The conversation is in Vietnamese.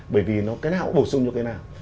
bởi vì nó cái nào bổ sung cho cái nào